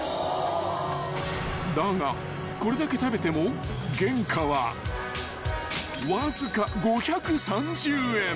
［だがこれだけ食べても原価はわずか］